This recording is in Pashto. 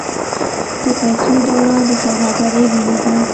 د پیسو دوران د سوداګرۍ وینه ده.